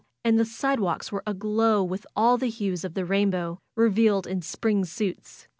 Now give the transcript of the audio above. And the sidewalks were aglow with all the hues of the rain bow, revealed in spring suits.